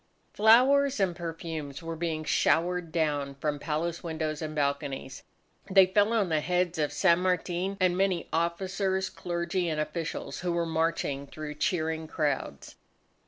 Flowers and perfumes were being showered down from palace windows and balconies. They fell on the heads of San Martin and many officers, clergy, and officials who were marching through cheering crowds.